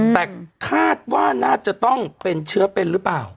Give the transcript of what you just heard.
แต่คาดว่าน่าจะต้องเป็นเชื้อเป็นหรือเปล่า